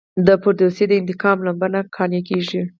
د فردوسي د انتقام لمبه نه قانع کیږي.